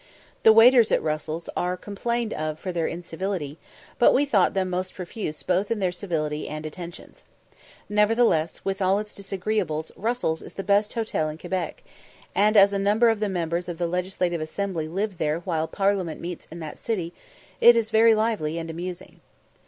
The waiters at Russell's are complained of for their incivility, but we thought them most profuse both in their civility and attentions. Nevertheless, with all its disagreeables, Russell's is the best hotel in Quebec; and, as a number of the members of the Legislative Assembly live there while Parliament meets in that city, it is very lively and amusing.